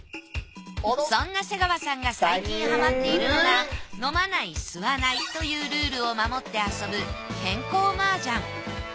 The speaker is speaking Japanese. そんな瀬川さんが最近ハマっているのが飲まない吸わないというルールを守って遊ぶ健康マージャン。